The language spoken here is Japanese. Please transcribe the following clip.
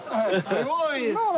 すごいっすね。